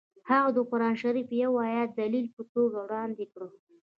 هغه د قران شریف یو ایت د دلیل په توګه وړاندې کړ